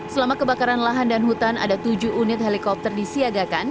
selama kebakaran lahan dan hutan ada tujuh unit helikopter disiagakan